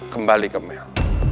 kembali ke mel